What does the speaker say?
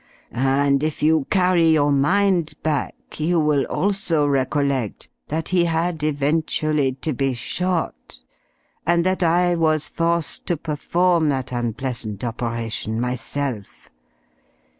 And if you carry your mind back you will also recollect that he had eventually to be shot, and that I was forced to perform that unpleasant operation myself.